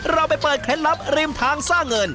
เราไปเปิดเคล็ดลับริมทางสร้างเงิน